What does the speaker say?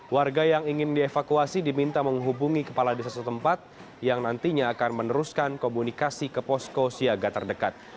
warga yang ingin dievakuasi diminta menghubungi kepala desa setempat yang nantinya akan meneruskan komunikasi ke posko siaga terdekat